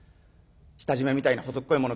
下締めみたいな細っこいもの